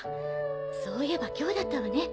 そういえば今日だったわね。